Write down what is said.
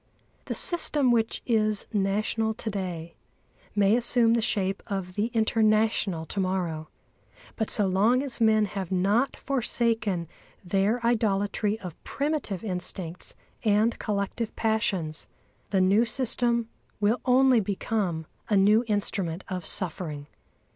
The system which is national to day may assume the shape of the international to morrow; but so long as men have not forsaken their idolatry of primitive instincts and collective passions, the new system will only become a new instrument of suffering.